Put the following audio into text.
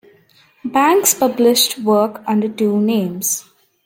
Banks published work under two names.